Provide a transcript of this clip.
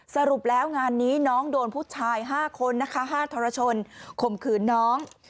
สรุปแล้วงานนี้น้องโดนผู้ชาย๕คนนะคะ๕ทรชนข่มขืนน้อง